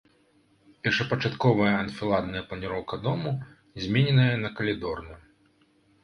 Першапачатковая анфіладная планіроўка дому змененая на калідорную.